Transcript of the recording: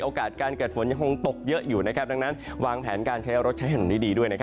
การเกิดฝนยังคงตกเยอะอยู่ดังนั้นวางแผนการใช้รถใช้ถนนนี้ดีด้วย